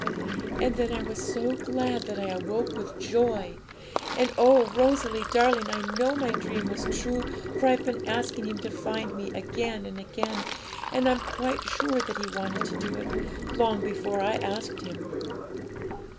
And then I was so glad that I awoke with joy! And oh, Rosalie darling, I know my dream was true, for I've been asking Him to find me again and again, and I'm quite sure that He wanted to do it, long before I asked Him.'